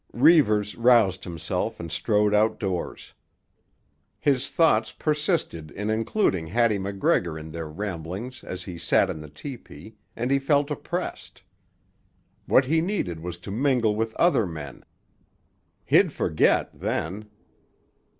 Reivers roused himself and strode outdoors. His thoughts persisted in including Hattie MacGregor in their ramblings as he sat in the tepee, and he felt oppressed. What he needed was to mingle with other men. He'd forget, then.